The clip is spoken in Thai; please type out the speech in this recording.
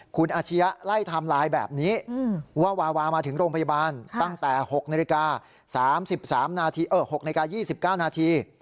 คุณอาชียะไล่ไทม์ไลน์แบบนี้ว่าวาวามาถึงโรงพยาบาลตั้งแต่๖นาฬิกา๓๓นาที๖นาฬิกา๒๙นาที